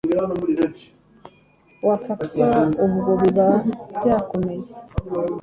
wafatwa ubwo biba byakomeye